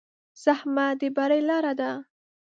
زحمت د بری لاره ده.